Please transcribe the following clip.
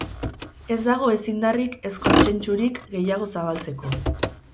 Ez dago ez indarrik, ez kontsentsurik, gehiago zabaltzeko.